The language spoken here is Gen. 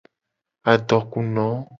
Adoku no.